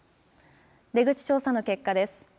出口調査の結果です。